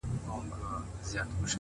ما ويل څه به ورته گران يمه زه،